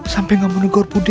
sampai gak menegur bu devi